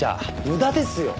無駄ですよ！